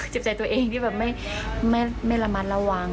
เจ็บใจตัวเองที่แบบไม่ระมัดระวัง